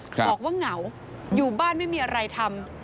บอกว่าเหงาอยู่บ้านไม่มีอะไรทำ